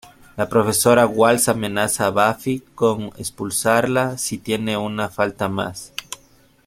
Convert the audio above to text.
La profesora Walsh amenaza a Buffy con expulsarla si tiene una falta más.